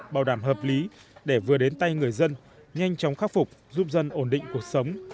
bảo đảm hợp lý để vừa đến tay người dân nhanh chóng khắc phục giúp dân ổn định cuộc sống